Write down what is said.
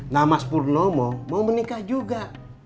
nah mas purnomo mau menikah juga